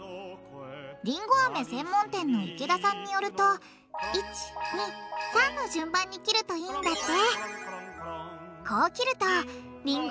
りんごアメ専門店の池田さんによると１２３の順番に切るといいんだって。